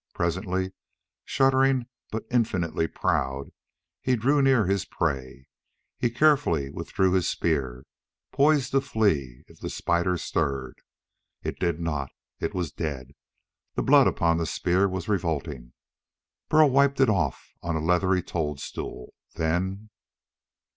Presently, shuddering but infinitely proud, he drew near his prey. He carefully withdrew his spear, poised to flee if the spider stirred. It did not. It was dead. The blood upon the spear was revolting. Burl wiped it off on a leathery toadstool. Then....